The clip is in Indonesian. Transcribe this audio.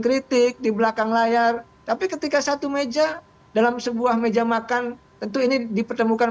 kritik di belakang layar tapi ketika satu meja dalam sebuah meja makan tentu ini dipertemukan